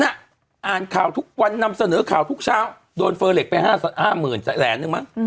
อ่านข่าวทุกวันนำเสนอข่าวทุกเช้าโดนเฟอร์เล็กไป๕๐๐๐แสนนึงมั้ง